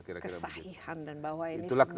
kesahihan dan bahwa ini semua